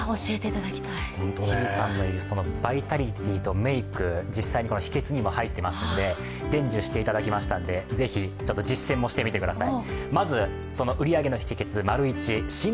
日比さんが言うバイタリティーとメイク、実際に秘けつにも入っていますので伝授していただきましたのでぜひ実践もしてみてください。